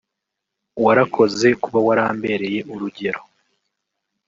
warakoze kuba warambereye urugero